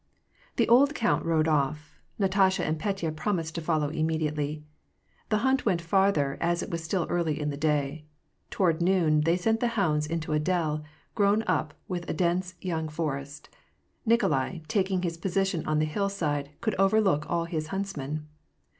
The old count rode off home. Natasha and Petya promised to follow immediately. The hunt went farther^ as it was still early in the day. Toward noon, they sent the hounds into a dell, grown up with a dense young forest. Nikolai, taking his position on the hillside, could overlook all his huntsmen.